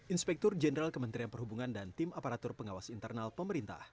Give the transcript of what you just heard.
inspektur jenderal kementerian perhubungan dan tim aparatur pengawas internal pemerintah